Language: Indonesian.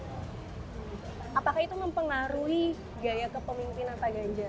apakah itu mempengaruhi gaya kepemimpinan pak ganjar